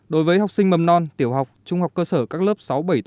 đối với học sinh mầm non tiểu học trung học cơ sở các lớp sáu bảy tám